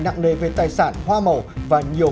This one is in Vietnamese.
nặng nề về tài sản hoa màu và nhiều